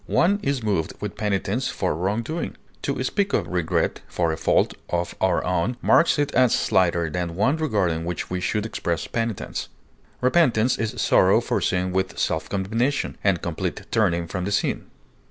One is moved with penitence for wrong doing. To speak of regret for a fault of our own marks it as slighter than one regarding which we should express penitence. Repentance is sorrow for sin with self condemnation, and complete turning from the sin.